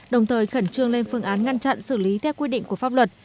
đồng thời khẩn trương lên phương án ngăn chặn xử lý theo quy định của pháp luật